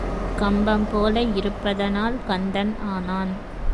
கம்பம்போல இருப்பதனால் கந்தன் ஆனான்.